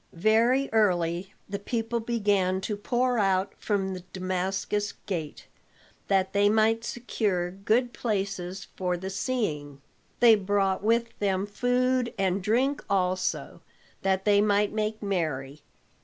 Very early the people began to pour out from the Damascus Gate, that they might secure good places for the seeing. They brought with them food and drink also, that they might make merry.